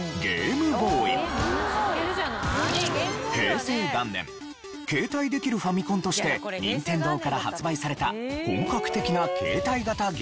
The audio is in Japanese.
平成元年「携帯できるファミコン」として任天堂から発売された本格的な携帯型ゲーム機。